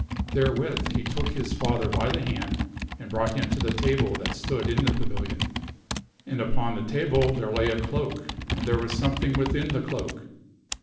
Therewith he took his father by the hand and brought him to the table that stood in the pavilion. And upon the table there lay a cloak and there was something within the cloak.